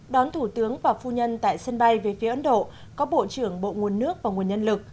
đón thủ tướng và phu nhân tại sân bay về phía ấn độ có bộ trưởng bộ nguồn nước và nguồn nhân lực